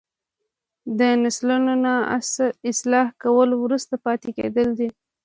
د نسلونو نه اصلاح کول وروسته پاتې کیدل دي.